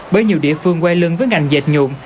bởi nhiều địa phương quay lưng với ngành dệt nhuộm